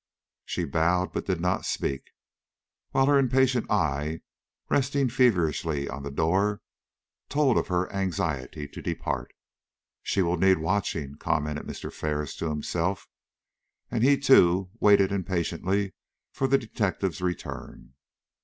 She bowed, but did not speak; while her impatient eye, resting feverishly on the door, told of her anxiety to depart. "She will need watching," commented Mr. Ferris to himself, and he, too, waited impatiently for the detectives' return.